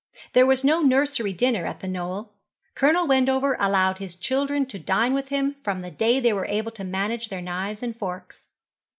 There was no nursery dinner at The Knoll. Colonel Wendover allowed his children to dine with him from the day they were able to manage their knives and forks.